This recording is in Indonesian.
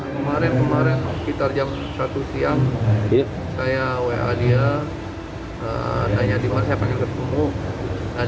kemarin kemarin sekitar jam satu siang saya wa dia tanya di mana saya panggil ketemu